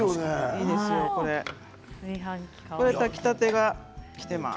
炊き立てがきています。